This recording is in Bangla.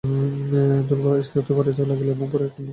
দুর্গা ইতস্তত করিতে লাগিল, পরে একটু মুখ টিপিয়া হাসিল।